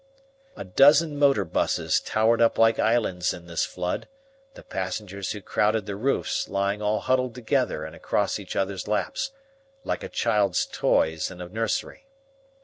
A dozen motor buses towered up like islands in this flood, the passengers who crowded the roofs lying all huddled together and across each others' laps like a child's toys in a nursery.